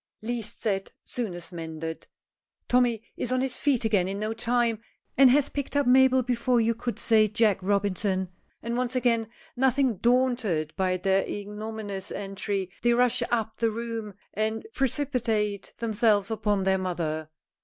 Least said, soonest mended! Tommy is on his feet again in no time, and has picked up Mabel before you could say Jack Robinson, and once again, nothing daunted by their ignominious entry, they rush up the room and precipitate themselves upon their mother.